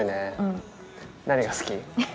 何が好き？